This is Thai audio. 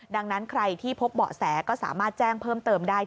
ดังนั้นใครที่พบเบาะแสก็สามารถแจ้งเพิ่มเติมได้